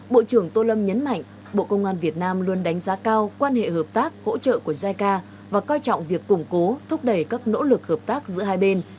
bộ trưởng tô lâm nhấn mạnh bộ công an việt nam luôn đánh giá cao quan hệ hợp tác hỗ trợ của jica và coi trọng việc củng cố thúc đẩy các nỗ lực hợp tác giữa hai bên